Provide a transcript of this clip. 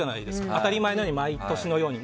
当たり前のように毎年のように。